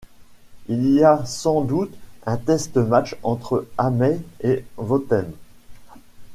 Il y a sans doute un test-match entre Amay et Vottem.